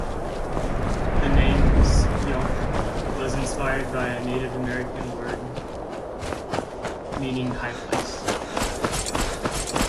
The name "Speonk" was inspired by a Native American word meaning "high place".